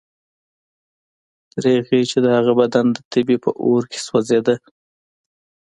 تر هغې چې د هغه بدن د تبې په اور کې سوځېده.